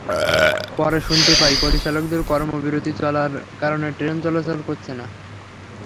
পরে শুনতে পাই, পরিচালকদের কর্মবিরতি চলার কারণে ট্রেন চলাচল করছে না।